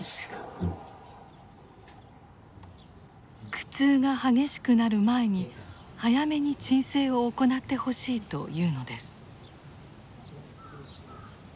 苦痛が激しくなる前に早めに鎮静を行ってほしいというのです。